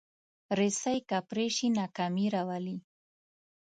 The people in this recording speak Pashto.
رسۍ که پرې شي، ناکامي راولي.